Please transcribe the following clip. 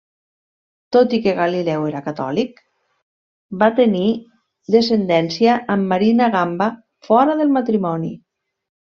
Tot i que Galileu era catòlic, va tenir descendència amb Marina Gamba fora del matrimoni.